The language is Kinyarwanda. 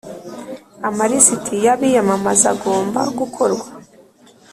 Amarisiti y abiyamamaza agomba gukorwa